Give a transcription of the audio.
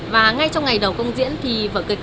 và ngay trong ngày đầu công diễn thì vở kịch